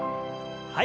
はい。